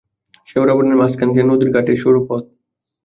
শ্যাওড়া বনের মাঝখান দিয়া নদীর ঘাটের সরু পথ।